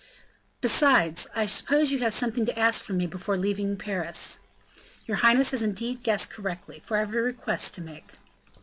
"Besides, I suppose you have something to ask from me before leaving Paris?" "Your highness has indeed guessed correctly, for I have a request to make."